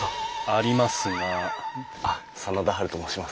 ありますがあっ真田ハルと申します。